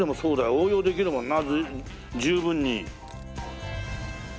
応用できるもんな十分に。